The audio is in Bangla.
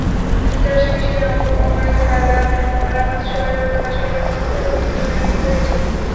যুক্তরাষ্ট্রের মিশিগান অঙ্গরাজ্যের কালামাজু শহরে গতকাল শনিবার বন্দুকধারীর গুলিতে ছয়জন নিহত হয়েছে।